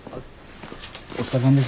お疲れさんです。